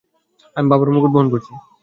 আমি বাবার মুকুট বহন করছি।